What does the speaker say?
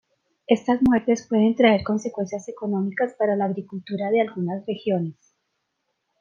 Estas muertes pueden traer consecuencias económicas para la agricultura de algunas regiones.